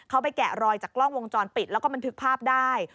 เขาไปแกะรอยจากกล้องวงจรปิดแล้วก็บันทึกภาพได้